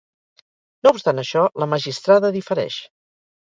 No obstant això, la magistrada difereix.